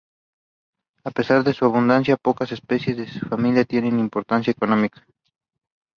A pesar de su abundancia, pocas especies de esta familia tienen importancia económica.